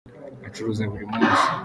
acuruza burimunsi.